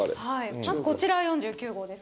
まずこちら４９号です。